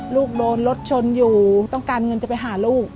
ลูกโดนรถชนอยู่ต้องการเงินจะไปหาลูก